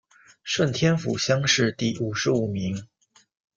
顺天府乡试第五十五名。